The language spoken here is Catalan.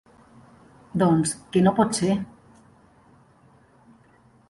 Doncs que no pot ser.